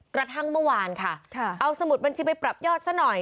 กระทั่งเมื่อวานค่ะเอาสมุดบัญชีไปปรับยอดซะหน่อย